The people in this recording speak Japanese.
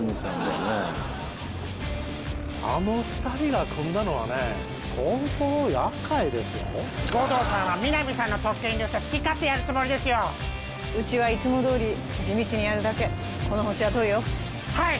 あの２人が組んだのはね相当やっかいですよ護道さんは皆実さんの特権利用して好き勝手やるつもりですようちはいつもどおり地道にやるだけこのホシは取るよはい！